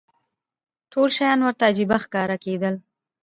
ټول شیان ورته عجیبه ښکاره کېدل.